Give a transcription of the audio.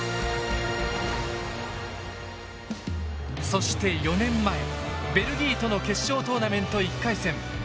そして４年前ベルギーとの決勝トーナメント１回戦。